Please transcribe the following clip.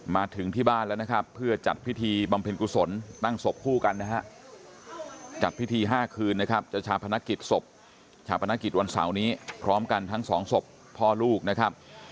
มาถึงที่บ้านแล้วนะครับเพื่อจัดพิธีบำเพ็ญกุศลตั้งศพคู่กันนะฮะจัดพิธี๕คืนนะครับจะชาพนักกิจศพชาปนกิจวันเสาร์นี้พร้อมกันทั้งสองศพพ่อลูกนะครับ